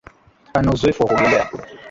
Ana uzoefu wa kuogelea